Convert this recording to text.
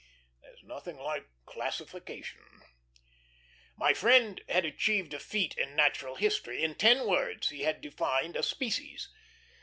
There's nothing like classification. My friend had achieved a feat in natural history; in ten words he had defined a species.